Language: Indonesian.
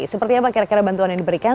seperti apa kira kira bantuan yang diberikan